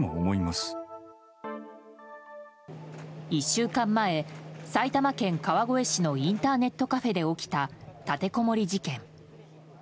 １週間前、埼玉県川越市のインターネットカフェで起きた立てこもり事件。